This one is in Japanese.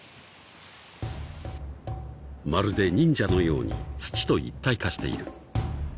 ［まるで忍者のように土と一体化している］